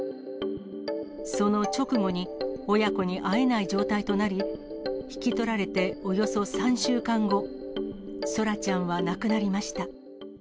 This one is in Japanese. その直後に、親子に会えない状態となり、引き取られておよそ３週間後、空来ちゃんは亡くなりました。